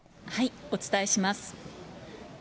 お伝えします。